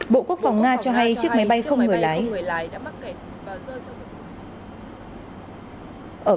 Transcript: bộ quốc phòng nga cho hay chiếc máy bay không người lái đã mắc kẹt và rơi trong lực lượng